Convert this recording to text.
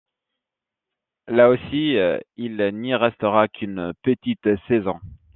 Là aussi, il n'y restera qu'une petite saison.